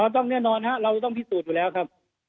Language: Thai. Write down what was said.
ต้องแน่นอนเราจะต้องพิสูจน์อยู่แล้วครับ